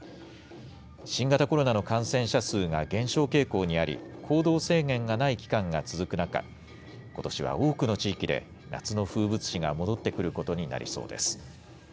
新型コロナの感染者数が減少傾向にあり、行動制限がない期間が続く中、ことしは多くの地域で、夏の風物詩が戻ってくることになりそうです。